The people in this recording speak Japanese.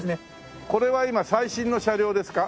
これは今最新の車両ですか？